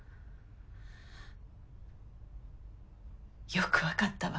よく分かったわ。